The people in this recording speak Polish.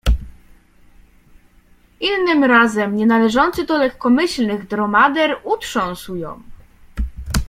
Innym razem, nie należący do lekkomyślnych dromader utrząsł ją.